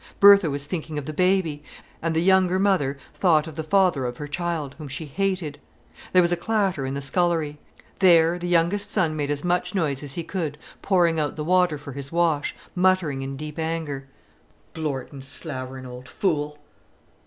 Bertha was thinking of the baby; and the younger mother thought of the father of her child, whom she hated. There was a clatter in the scullery. There the youngest son made as much noise as he could, pouring out the water for his wash, muttering in deep anger: "Blortin', slaverin' old fool!"